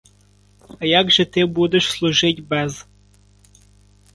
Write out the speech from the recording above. А як же ти будеш служить без.